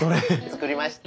作りました。